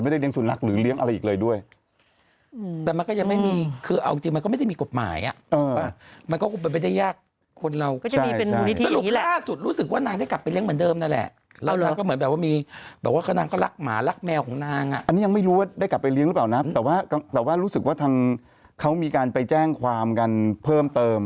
แต่ว่ารู้สึกว่าทางเขามีการไปแจ้งความกันเพิ่มเติม